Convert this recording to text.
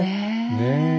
ねえ。